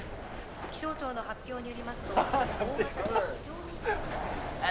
気象庁の発表によりますとハハッ何で？